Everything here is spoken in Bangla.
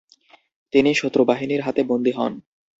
তিনি শত্রু বাহিনীর হাতে বন্দী হন।